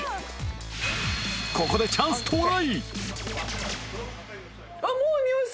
ここでチャンス到来！